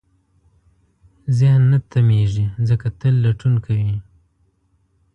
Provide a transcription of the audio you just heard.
ذهن نه تمېږي، ځکه تل لټون کوي.